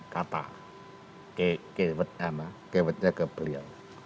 kata kewetnya ke beliau